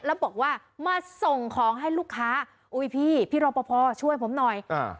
แล้วบอกว่ามาส่งของให้ลูกค้าอุ้ยพี่พี่รอปภช่วยผมหน่อยอ่า